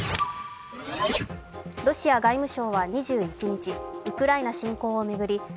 ロシア外務省は２１日ウクライナ侵攻を巡り